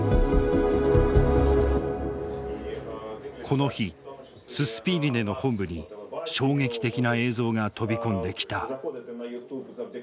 この日ススピーリネの本部に衝撃的な映像が飛び込んできた。